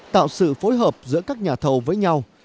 tạo sự phối hợp giữa các nhà thầu với nhau